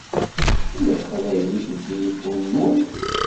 Tella teqbaylit deg tilifu-nwen?